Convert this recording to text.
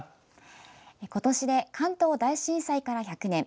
今年で関東大震災から１００年。